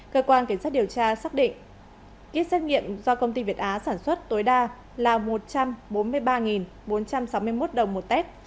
cơ quan cảnh sát điều tra xác định kýt xét nghiệm do công ty việt á sản xuất tối đa là một trăm bốn mươi ba bốn trăm sáu mươi một đồng một test